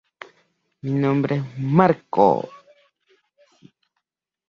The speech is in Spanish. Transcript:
Con la selección española jugó dos partidos sin marcar ningún gol.